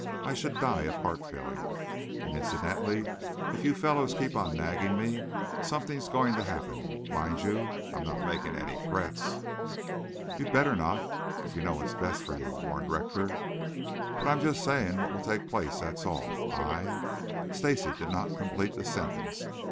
I should die of heart failure. And, incidentally, if you fellows keep on nagging me, something's going to happen. Mind you, I am not making any threats." "You had better not if you know what is best for you," warned Rector. "But I am just saying what will take place, that's all. I " Stacy did not complete the sentence.